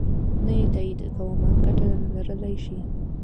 نه یې تایید کومه ګټه لرلای شي.